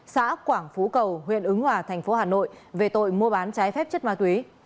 xã quảng phú cầu huyện ứng hòa thành phố hà nội về tội mua bán trái phép chất ma túy